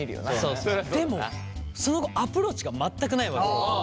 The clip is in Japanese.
そうそうでもその後アプローチが全くないわけよ。